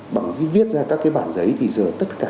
bằng cái viết ra các cái bản giấy thì giờ tất cả